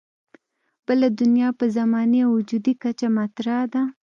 بله دنیا په زماني او وجودي کچه مطرح ده.